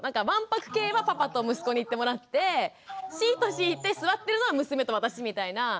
わんぱく系はパパと息子に行ってもらってシート敷いて座ってるのは娘と私みたいな。